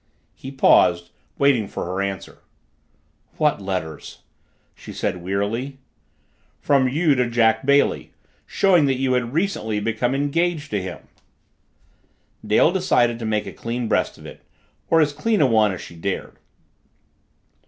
He paused, waiting for her answer. "What letters?" she said wearily. "From you to Jack Bailey showing that you had recently become engaged to him." Dale decided to make a clean breast of it, or as clean a one as she dared.